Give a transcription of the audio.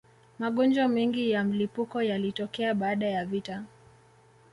magonjwa mengi ya mlipuko yalitokea baada ya vita